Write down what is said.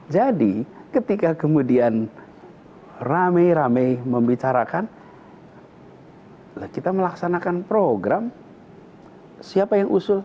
jadi ketika kemudian rame rame membicarakan kita melaksanakan program siapa yang usul